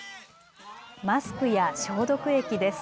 マスクや消毒液です。